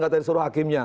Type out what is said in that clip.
gak dari suruh hakimnya